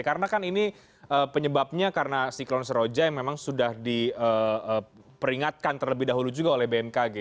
karena kan ini penyebabnya karena siklon seroja yang memang sudah diperingatkan terlebih dahulu juga oleh bmkg